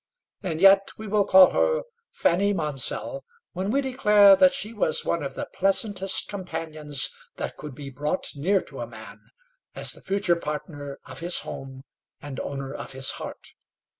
And yet we will call her Fanny Monsell, when we declare that she was one of the pleasantest companions that could be brought near to a man, as the future partner of his home, and owner of his heart.